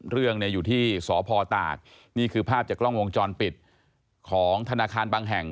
เรื่องเนี่ยอยู่ที่สพตากนี่คือภาพจากกล้องวงจรปิดของธนาคารบางแห่ง